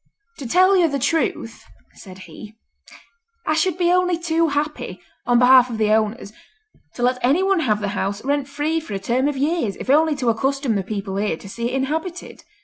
"To tell you the truth," said he, "I should be only too happy, on behalf of the owners, to let anyone have the house rent free for a term of years if only to accustom the people here to see it inhabited.